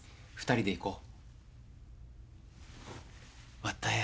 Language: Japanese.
２人で行こう。